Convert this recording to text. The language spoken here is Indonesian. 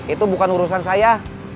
itu bukan urusan saya